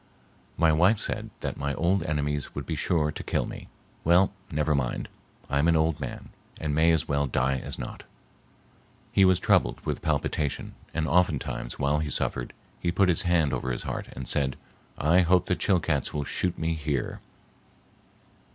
"My wife said that my old enemies would be sure to kill me. Well, never mind. I am an old man and may as well die as not." He was troubled with palpitation, and oftentimes, while he suffered, he put his hand over his heart and said, "I hope the Chilcats will shoot me here."